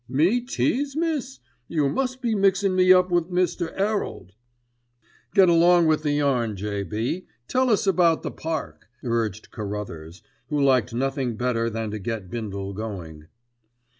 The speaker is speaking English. "Me tease, miss, you must be mixin' me up wi' Mr. 'Erald." "Get along with, the yarn, J.B., tell us about the Park," urged Carruthers, who liked nothing better than to get Bindle going.